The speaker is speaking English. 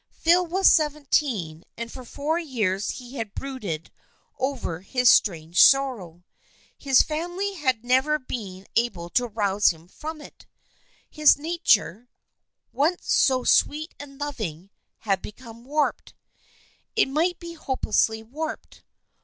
Phil was seventeen, and for four years he had brooded over his strange sorrow. His family had never been able to rouse him from it. His nature, once so sweet and loving, had become warped — it might be hopelessly warped.